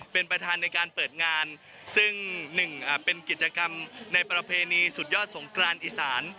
เป็นประธานในการเปิดงานซึ่งหนึ่งเป็นกิจกรรมในประเพณีสุดยอดสงกรานอีสาน